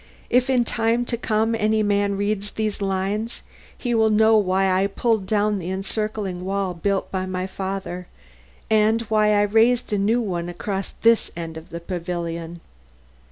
If in time to come any man reads these lines, he will know why I pulled down the encircling wall built by my father, and why I raised a new one across this end of the pavilion.'"